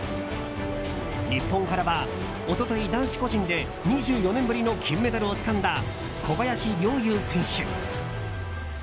日本からは一昨日、男子個人で２４年ぶりの金メダルをつかんだ小林陵侑選手。